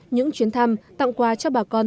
những chuyến thăm tặng quà cho bà con